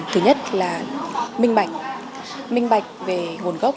thứ nhất là minh bạch minh bạch về nguồn gốc